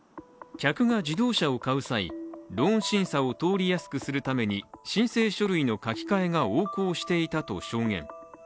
客が自動車を買う際、ローン審査を通りやすくするために申請書類の書き換えが横行していたと証言。